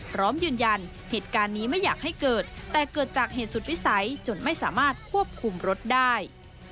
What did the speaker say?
พร้อมยืนยันเหตุการณ์นี้ไม่อยากให้เกิดแต่เกิดจากเหตุสุดวิสัยจนไม่สามารถควบคุมรถได้